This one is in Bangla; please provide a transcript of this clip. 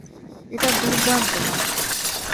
এটা দুর্দান্ত, মা।